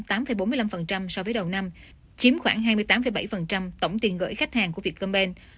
vietcomben có tổng tiền gửi không kỳ hàng so với đầu năm chiếm khoảng hai mươi tám bảy tổng tiền gửi khách hàng của vietcomben